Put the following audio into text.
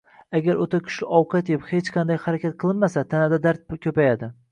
Agar o‘ta kuchli ovqat yeb, hech qanday harakat qilinmasa, tanada dard ko‘payadi.